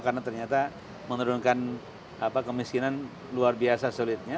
karena ternyata menurunkan kemiskinan luar biasa sulitnya